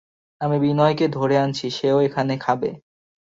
আমি বিনয়কে ধরে আনছি, সেও এখানে খাবে।